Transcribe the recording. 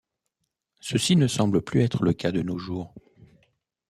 Ceci ne semble plus être le cas de nos jours.